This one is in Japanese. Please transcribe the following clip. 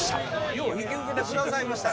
よう引き受けてくださいましたね。